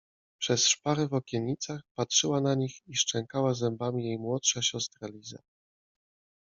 Przez szparę w okiennicach patrzyła na nich i szczękała zębami jej młodsza siostra Liza.